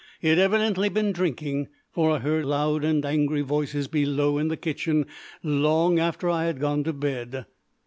He had evidently been drinking, for I heard loud and angry voices below in the kitchen long after I had gone to bed.